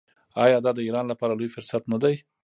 آیا دا د ایران لپاره لوی فرصت نه دی؟